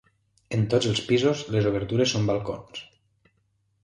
En tots els pisos les obertures són balcons.